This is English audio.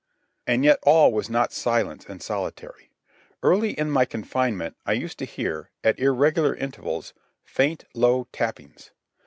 And yet all was not silence in solitary. Early in my confinement I used to hear, at irregular intervals, faint, low tappings.